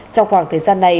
trong khoảng thời gian này